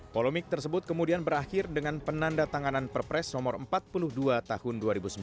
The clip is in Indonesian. polemik tersebut kemudian berakhir dengan penanda tanganan perpres no empat puluh dua tahun dua ribu sembilan belas